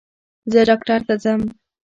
زه ډاکټر ته ځم